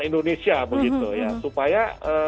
indonesia begitu ya supaya